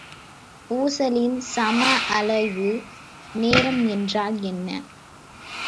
ஊசலின் சம அலைவு நேரம் என்றால் என்ன?